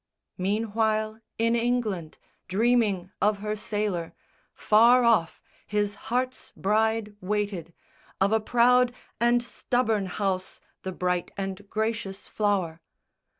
Meanwhile, in England, dreaming of her sailor, Far off, his heart's bride waited, of a proud And stubborn house the bright and gracious flower.